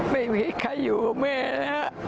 ไม่มีใครอยู่กับแม่แล้ว